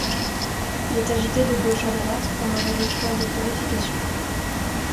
Il est agité de gauche à droite pendant les rituels de purification.